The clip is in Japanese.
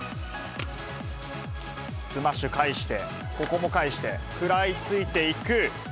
スマッシュ返して、ここも返して、食らいついていく。